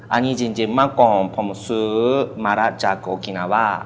อันนี้จริงเมื่อก่อนผมซื้อมาระจากโกกินาว่า